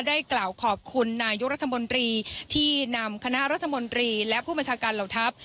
ได้กล่าวขอบคุณนายกรัฐมนตรีที่นำคณะรัฐมนตรีและผู้บัญชาการเหล่าทัพ